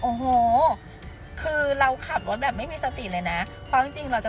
โอ้โหคือเราขับรถแบบไม่มีสติเลยนะเพราะจริงจริงเราจะ